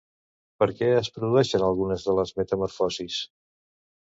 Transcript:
Per què es produeixen algunes de les metamorfosis?